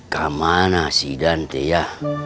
kamana si dante ya